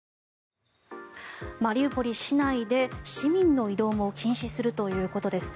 マリウポリ市内で市民の移動も禁止するということです。